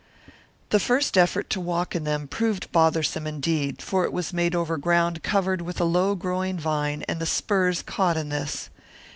The first effort to walk in them proved bothersome indeed, for it was made over ground covered with a low growing vine and the spurs caught in this.